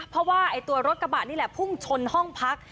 เพราะว่าตัวรถกระบะนี่แหละพุ่งชนห้องพัก